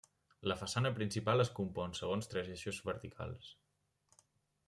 La façana principal es compon segons tres eixos verticals.